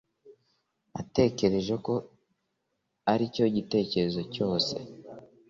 Natekereje ko aricyo gitekerezo cyose